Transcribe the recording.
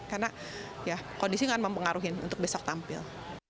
karena kondisi akan mempengaruhi untuk besok tampil